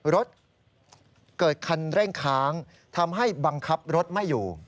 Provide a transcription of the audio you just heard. รถเกิดคันเร่งค้างทำให้บังคับรถไม่อยู่